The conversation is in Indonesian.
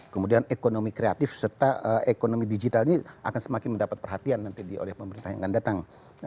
kemudian ekonomi kreatif serta ekonomi digital ini akan semakin mendapat perhatian nanti oleh pemerintah yang akan datang